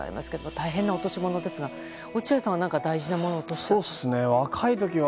大変な落とし物ですが落合さんは大事なものを落としたことは？